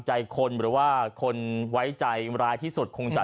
ใจคนหรือว่าคนไว้ใจร้ายที่สุดคงจะ